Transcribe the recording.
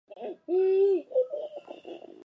پښتو ژبه زموږ د خپلواکۍ او آزادی څرګندونه ده.